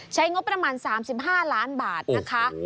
ใช้งบประมาณ๓๕ล้านบาทนะคะ